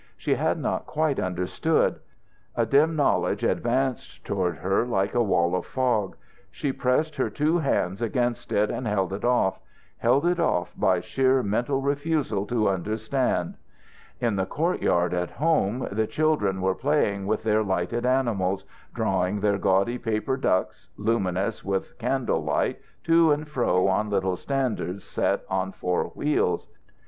She had not quite understood. A dim knowledge advanced toward her like a wall of fog. She pressed her two hands against it and held it off held it off by sheer mental refusal to understand. In the courtyard at home the children were playing with their lighted animals, drawing their gaudy paper ducks, luminous with candle light, to and fro on little standards set on four wheels.